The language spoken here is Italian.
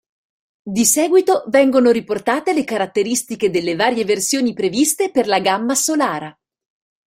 Di seguito vengono riportate le caratteristiche delle varie versioni previste per la gamma "Solara".